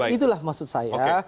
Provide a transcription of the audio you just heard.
itulah maksud saya